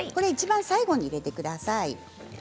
いちばん最後に入れてください。